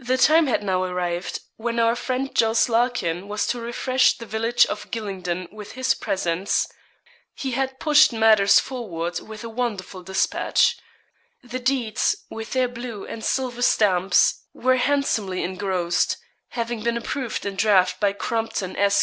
The time had now arrived when our friend Jos. Larkin was to refresh the village of Gylingden with his presence. He had pushed matters forward with wonderful despatch. The deeds, with their blue and silver stamps, were handsomely engrossed having been approved in draft by Crompton S.